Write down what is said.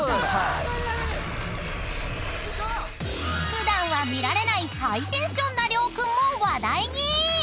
［普段は見られないハイテンションな涼くんも話題に］